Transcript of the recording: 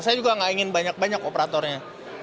saya juga gak ingin banyak banyak operatornya